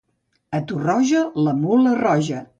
A Tarroja, la mula roja.